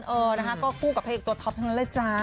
เออนะคะก็คู่กับเพลงตัวท็อปทั้งนั้นเลยจ้า